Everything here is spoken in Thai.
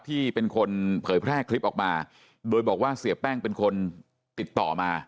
ที่เป็นคนเผยแพร่คลิปออกมาโดยบอกว่าเสียแป้งเป็นคนติดต่อมา